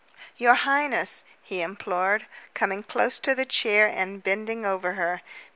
"Your highness!" he implored, coming close to the chair and bending over her.